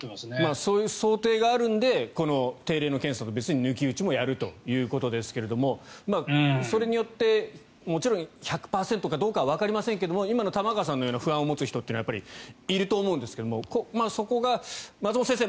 そういう想定があるので定例の検査と別に抜き打ちもやるということですがそれによってもちろん１００％かどうかはわかりませんが今の玉川さんのような不安を持つ人もいると思うんですけどそこが松本先生